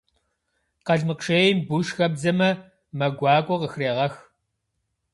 Къалмыкъ шейм бурш хэбдзэмэ, мэ гуакӏуэ къыхрегъэх.